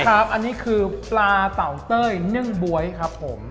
ครับอันนี้คือปลาเต่าเต้ยนึ่งบ๊วยครับผม